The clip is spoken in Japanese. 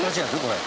これ。